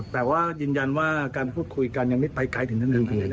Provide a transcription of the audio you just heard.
แต่ว่ายืนยันว่าการพูดคุยกันยังไม่ไปไกลถึงนั้นทันที